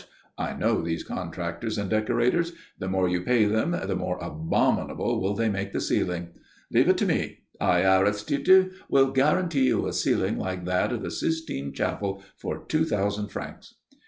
I know these contractors and decorators. The more you pay them, the more abominable will they make the ceiling. Leave it to me. I, Aristide, will guarantee you a ceiling like that of the Sistine Chapel for two thousand francs."